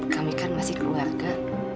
kami kan masih keluarga